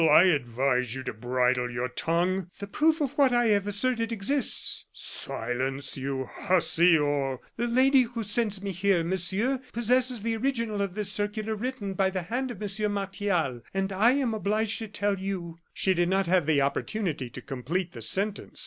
I advise you to bridle your tongue!" "The proof of what I have asserted exists." "Silence, you hussy, or " "The lady who sends me here, Monsieur, possesses the original of this circular written by the hand of Monsieur Martial, and I am obliged to tell you " She did not have an opportunity to complete the sentence.